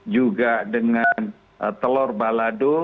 juga dengan telur balado